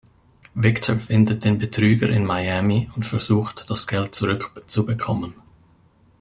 Victor findet den Betrüger in Miami und versucht, das Geld zurückzubekommen.